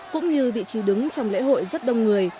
cũng như vị trí đứng trong lễ hội rất đông người